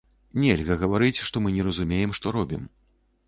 Нельга гаварыць, што мы не разумеем, што робім.